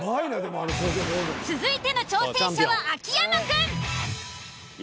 続いての挑戦者は秋山くん。